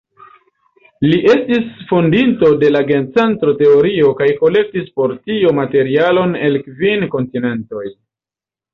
Li estis fondinto de la gencentro-teorio kaj kolektis por tio materialon el kvin kontinentoj.